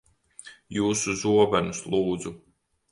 Jūsu zobenus, lūdzu.